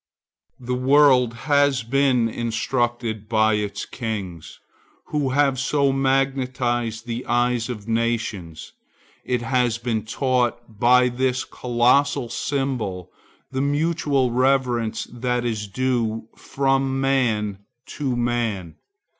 The world has been instructed by its kings, who have so magnetized the eyes of nations. It has been taught by this colossal symbol the mutual reverence that is due from man to man.